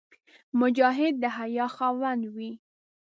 مجاهد د حیا خاوند وي.